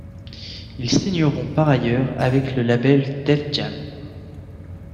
Ils signeront par ailleurs avec le label Def Jam.